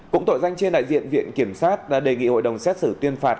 cũng tội danh trên đại diện viện kiểm sát đã đề nghị hội đồng xét xử tuyên phạt